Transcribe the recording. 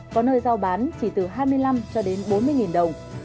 có nơi giao bán chỉ từ hai mươi năm cho đến bốn mươi đồng